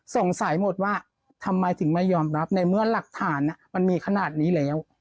สงสัยหมดว่าทำไมถึงไม่ยอมรับในเมื่อหลักฐานมันมีขนาดนี้แล้ว